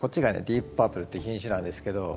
ディープパープルって品種なんですけど。